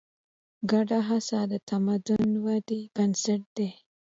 ګډه هڅه د تمدن ودې بنسټ دی.